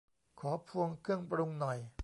ขอพวงเครื่องปรุงหน่อย